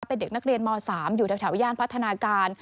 เป็นเด็กนักเรียนม๓อยู่แถวย่านพัฒนาการ